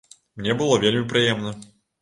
Мне было вельмі прыемна.